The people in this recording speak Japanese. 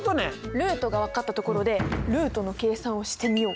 ルートが分かったところでルートの計算をしてみよう！